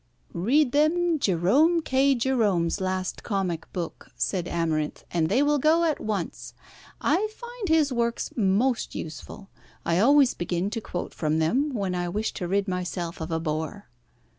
"Read them Jerome K. Jerome's last comic book," said Amarinth, "and they will go at once. I find his works most useful. I always begin to quote from them when I wish to rid myself of a bore."